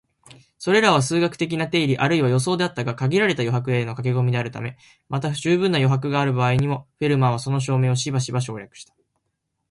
それらは数学的な定理あるいは予想であったが、限られた余白への書き込みであるため、また充分な余白がある場合にも、フェルマーはその証明をしばしば省略した